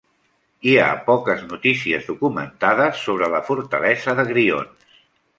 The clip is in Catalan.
Hi ha poques notícies documentades sobre la fortalesa de Grions.